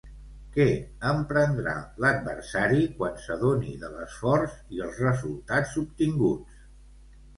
Què emprendrà l'adversari quan s'adoni de l'esforç i els resultats obtinguts?